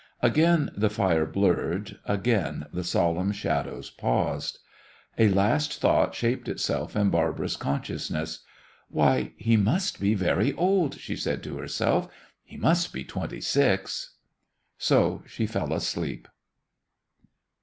Again the fire blurred, again the solemn shadows paused. A last thought shaped itself in Barbara's consciousness. "Why, he must be very old," she said to herself. "He must be twenty six." So she fell asleep.